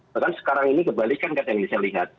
bahkan sekarang ini kebalikan kan yang bisa dilihat